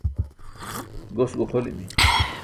Gos guxolimi.